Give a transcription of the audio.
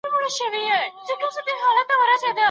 تاریخي کسان ډېر مینه وال او سخت مخالفین لري.